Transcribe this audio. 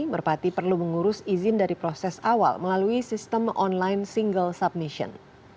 merpati perlu mengurus izin dari proses awal melalui sistem online single submission